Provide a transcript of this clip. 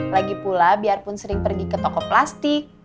lagipula biarpun sering pergi ke toko plastik